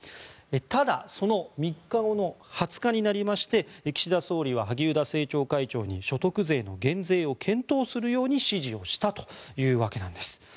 ただ、その３日後の２０日になりまして岸田総理は萩生田政調会長に所得税の減税を検討するように指示をしたというわけです。